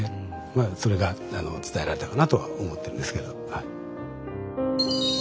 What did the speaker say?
まあそれが伝えられたかなとは思ってるんですけどはい。